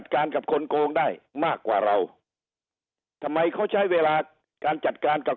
การกับคนโกงได้มากกว่าเราทำไมเขาใช้เวลาการจัดการกับ